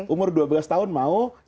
umur dua belas tahun mau